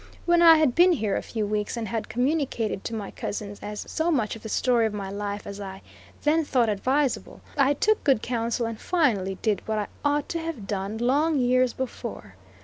When I had been here a few weeks, and had communicated to my cousins so much of the story of my life as I then thought advisable, I took good counsel and finally did what I ought to have done long years before.